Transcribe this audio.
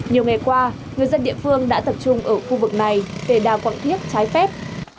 nhiều ngày qua người dân địa phương đã tập trung ở khu vực này để đào mót quạng thiết trái phép